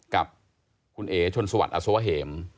กับคุณเอ๋ชนสวัสดิอสวะเหม